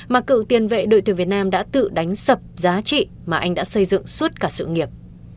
mà cựu tiền vệ đội tuyển việt nam đã tự đánh sập giá trị mà anh đã xây dựng suốt cả sự nghiệp